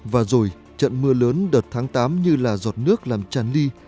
và rồi trận mưa lớn đợt tháng tám như là giọt nước làm tràn ly